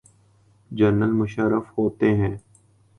General Musharraf ہوتے ہیں۔